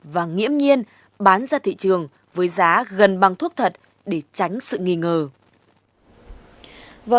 và nghiễm nhiên bán ra thị trường với giá gần bằng thuốc thật để tránh sự nghi ngờ